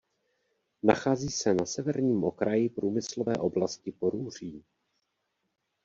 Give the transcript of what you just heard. Nachází se na severním okraji průmyslové oblasti Porúří.